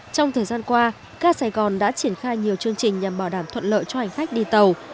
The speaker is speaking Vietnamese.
trong thời gian qua ca sài gòn đã triển khai nhiều chương trình nhằm bảo đảm thuận lợi cho hành khách đi tàu